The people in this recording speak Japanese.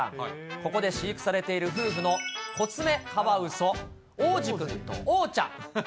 ここで飼育されている夫婦のコツメカワウソ、王子くんと桜ちゃん。